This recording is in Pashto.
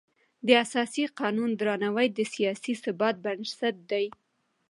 د اساسي قانون درناوی د سیاسي ثبات بنسټ دی